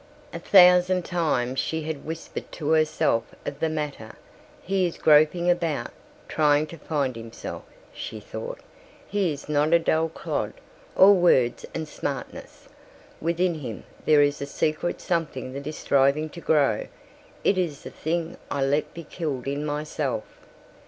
A thousand times she had whispered to herself of the matter. "He is groping about, trying to find himself," she thought. "He is not a dull clod, all words and smartness. Within him there is a secret something that is striving to grow. It is the thing I let be killed in myself."